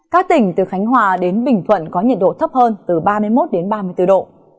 các tỉnh từ khánh hòa đến bình thuận có nhiệt độ thấp hơn từ ba mươi một đến ba mươi bốn độ